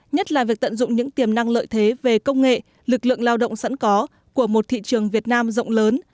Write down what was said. nhất là việc tận dụng những tiềm năng lợi thế về công nghệ lực lượng lao động sẵn có của một thị trường việt nam rộng lớn